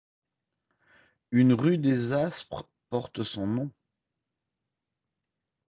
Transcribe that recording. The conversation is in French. Une rue des Aspres porte son nom.